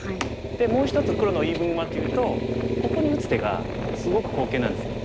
でもう一つ黒の言い分はというとここに打つ手がすごく好形なんですよ。